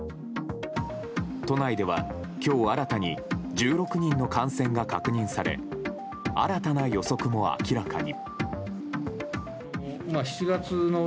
都内では今日新たに１６人の感染が確認され新たな予測も明らかに。